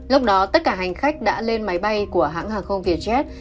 lúc đó tất cả hành khách đã lên máy bay của hãng hàng không vietjet